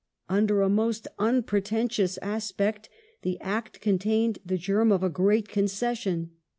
Under a most unpretentious aspect, the Act contained the germ of a great concession.